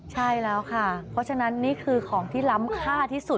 ใช่แล้วค่ะเพราะฉะนั้นนี่คือของที่ล้ำค่าที่สุด